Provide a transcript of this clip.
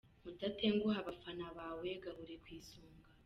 Mudatenguha abafana bawe, gahore ku isonga.